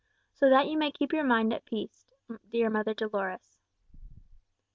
So that you may keep your mind at peace, dear Mother Dolores."